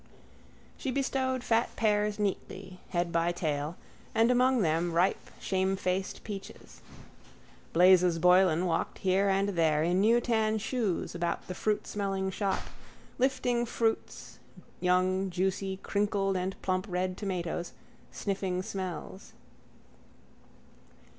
She bestowed fat pears neatly, head by tail, and among them ripe shamefaced peaches. Blazes Boylan walked here and there in new tan shoes about the fruitsmelling shop, lifting fruits, young juicy crinkled and plump red tomatoes, sniffing smells.